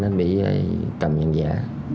nên tôi sẽ cầm vàng giả